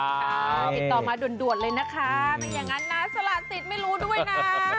ติดต่อมาด่วนเลยนะคะไม่อย่างนั้นนะสละสิทธิ์ไม่รู้ด้วยนะ